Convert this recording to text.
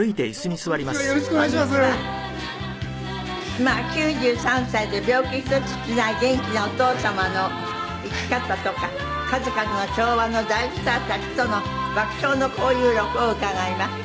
まあ９３歳で病気一つしない元気なお父様の生き方とか数々の昭和の大スターたちとの爆笑の交遊録を伺います。